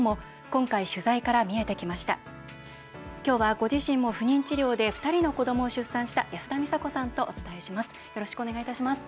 今日は、ご自身も不妊治療で２人の子どもを出産した安田美沙子さんとお伝えします。